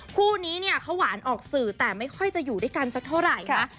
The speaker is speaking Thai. คู่นี้เนี่ยเขาหวานออกสื่อแต่ไม่ค่อยจะอยู่ด้วยกันสักเท่าไหร่นะ